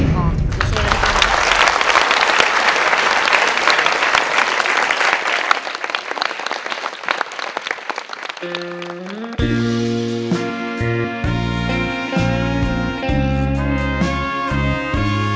ขอให้โชคดีครับ